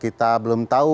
kita belum tahu